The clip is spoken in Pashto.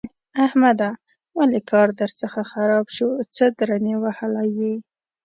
احمده! ولې کار درڅخه خراب شو؛ څه درنې وهلی يې؟!